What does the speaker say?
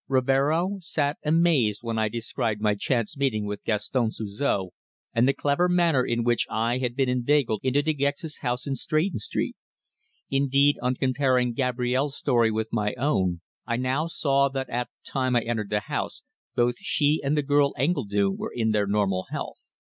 Rivero sat amazed when I described my chance meeting with Gaston Suzor, and the clever manner in which I had been inveigled into De Gex's house in Stretton Street. Indeed, on comparing Gabrielle's story with my own, I now saw that at the time I entered the house both she and the girl Engledue were in their normal health.